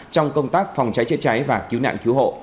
trong công tác phòng cháy chữa cháy và cứu nạn cứu hộ